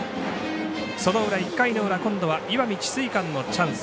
その裏、１回の裏今度は石見智翠館のチャンス。